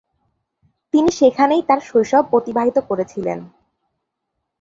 তিনি সেখানেই তার শৈশব অতিবাহিত করেছিলেন।